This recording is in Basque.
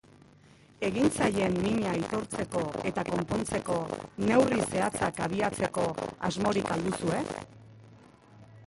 Egin zaien mina aitortzeko eta konpontzeko neurri zehatzak abiatzeko asmorik al duzue?